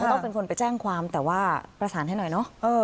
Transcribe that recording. ต้องเป็นคนไปแจ้งความแต่ว่าประสานให้หน่อยเนอะ